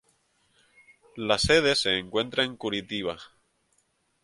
La sede se encuentra en Curitiba.